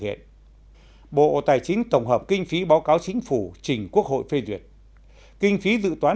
nghệ bộ tài chính tổng hợp kinh phí báo cáo chính phủ trình quốc hội phê duyệt kinh phí dự toán